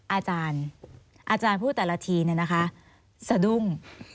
อาจารย์อาจารย์พูดแต่ละทีเนี่ยนะคะสะดุ้ง